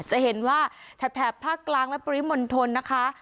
จะเห็นว่าแถบภาคกลางและปริมณฑลนะคะ